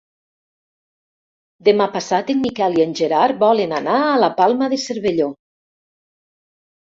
Demà passat en Miquel i en Gerard volen anar a la Palma de Cervelló.